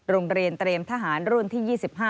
โรงเรียนเตรียมทหารรุ่นที่๒๕